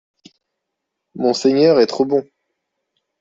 Monseigneur est trop bon